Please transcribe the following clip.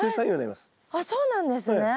あっそうなんですね。